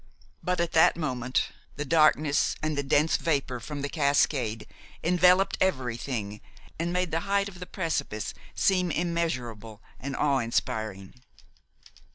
But at that moment the darkness and the dense vapor from the cascade enveloped everything and made the height of the precipice seem immeasurable and awe inspiring.